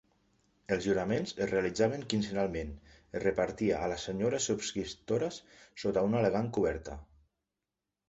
Els lliuraments es realitzaven quinzenalment, es repartia a les senyores subscriptores sota una elegant coberta.